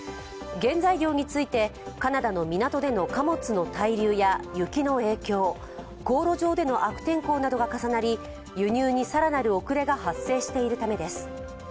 原材料について、カナダの港での貨物の滞留や雪の影響、航路上での悪天候などが重なり、輸入に更なる遅れが発生しているためです。